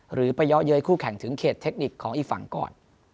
หรือไปเยาะเย้ยคู่แข่งถึงเขตเทคนิคของอีกฝั่งก่อน